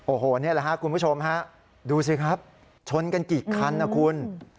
โอ้โหนี่แหละครับคุณผู้ชมฮะดูสิครับชนกันกี่คันนะคุณ